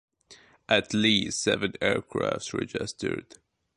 At least seven aircraft registered.